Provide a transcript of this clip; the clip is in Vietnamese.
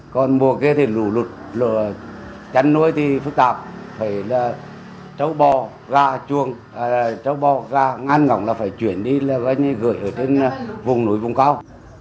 còn mùa kia thì lù lụt chăn nuôi thì phức tạp phải là cháu bò gà chuồng cháu bò gà ngang ngọng là phải chuyển đi gửi ở trên vùng núi vùng cao